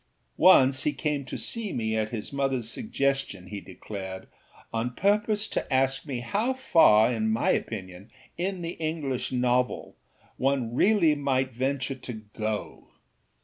Once he came to see me, at his motherâs suggestion he declared, on purpose to ask me how far, in my opinion, in the English novel, one really might venture to âgo.